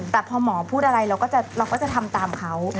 แต่พอหมอพูดอะไรเราก็จะทำตามเขา